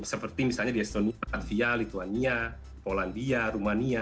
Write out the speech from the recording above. seperti misalnya di estonia latvia lituania polandia rumania